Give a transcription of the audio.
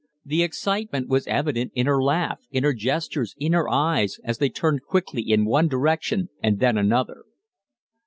The excitement was evident in her laugh, in her gestures, in her eyes, as they turned quickly in one direction and then another.